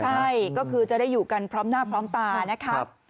ใช่ก็คือจะได้อยู่กันพร้อมหน้าพร้อมตานะครับ